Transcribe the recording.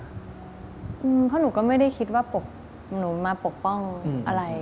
เพราะหนูก็ไม่ได้คิดว่าหนูมาปกป้องอะไร